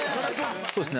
そうですね